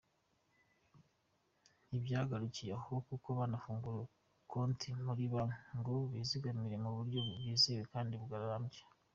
Ntibyagarukiye aho, kuko banafungurijwe konti muri Banki, ngo bizigamire mu buryo bwizewe kandi burambye.